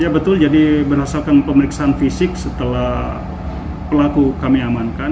ya betul jadi berdasarkan pemeriksaan fisik setelah pelaku kami amankan